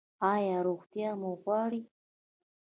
ایا روغتیا مو غواړئ؟